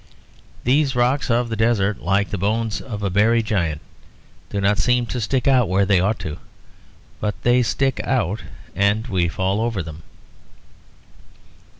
These rocks of the desert, like the bones of a buried giant, do not seem to stick out where they ought to, but they stick out, and we fall over them.